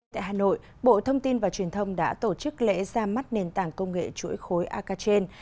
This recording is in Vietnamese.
tại hà nội bộ thông tin và truyền thông đã tổ chức lễ ra mắt nền tảng công nghệ chuỗi khối akachen